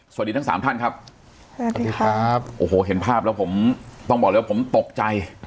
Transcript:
สวัสดีทั้งสามท่านครับสวัสดีครับโอ้โหเห็นภาพแล้วผมต้องบอกเลยว่าผมตกใจ